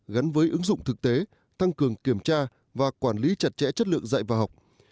gắn với ứng dụng thực tế tăng cường kiểm tra và quản lý chặt chẽ chất lượng dạy và học